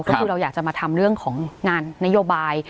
ก็คือเราอยากจะมาทำเรื่องของงานนโยบาย